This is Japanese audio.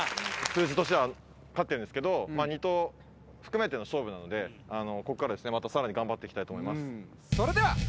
数字としては勝ってるんですけど２投含めての勝負なのでこっからさらに頑張って行きたいと思います。